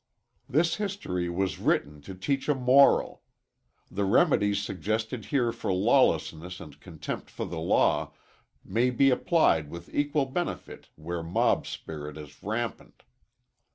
This history was written to teach a moral. The remedies suggested here for lawlessness and contempt for the law, may be applied with equal benefit where mob spirit is rampant.